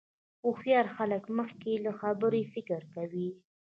هوښیار خلک مخکې له خبرې فکر کوي.